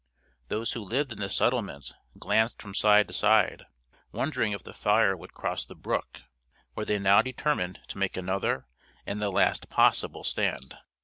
Those who lived in the settlement glanced from side to side, wondering if the fire would cross the brook, where they now determined to make another and the last possible stand.